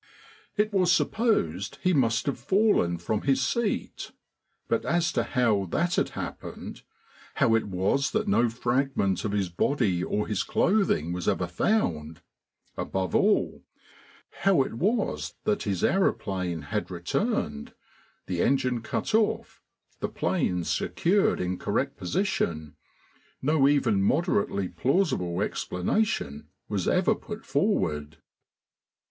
It was supposed he must have fallen from his seat, but as to how that had happened, how it was that no fragment of his body or his clothing was ever found, above all, how it was that his aeroplane had returned, the engine cut off, the planes secured in correct position, no even moderately plausible explanation was ever put forward.